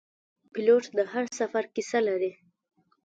پیلوټ د هر سفر کیسه لري.